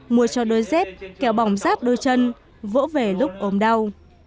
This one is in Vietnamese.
mua cho đôi dép kéo bỏng rác đôi chân vỗ về lúc ốm đau